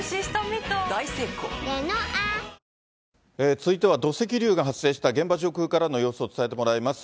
続いては、土石流が発生した現場上空からの様子を伝えてもらいます。